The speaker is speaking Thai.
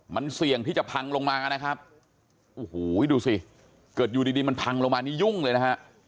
มันเสี่ยงที่จะพังลงมานะครับโอ้โหดูสิเกิดอยู่ดีดีมันพังลงมานี่ยุ่งเลยนะฮะ